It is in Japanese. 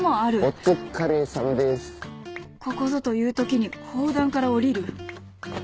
［ここぞというときに法壇からおりる］